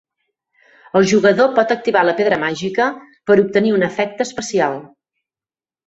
El jugador pot activar la Pedra Màgica per obtenir un efecte especial.